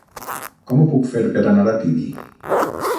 Com ho puc fer per anar a Tibi?